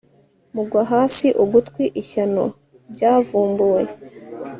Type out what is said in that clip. Mugwa hasi ugutwi ishyano byavumbuwe